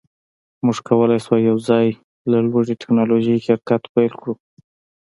موږ کولی شو یوځای د لوړې ټیکنالوژۍ شرکت پیل کړو